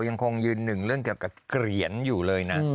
ยังคงยืนหนึ่งเรื่องเกี่ยวกับเกลียนอยู่เลยนะ